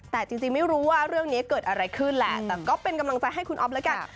แต่จริงไม่รู้ว่าเรื่องนี้เกิดอะไรขึ้นแหละแต่ก็เป็นกำลังใจให้คุณอ๊อฟแล้วกัน